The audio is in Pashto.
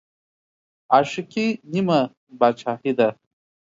عاشقي نيمه باچاهي ده